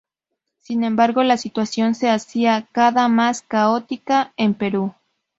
Sin embargo, la situación se hacía cada más caótica en Perú.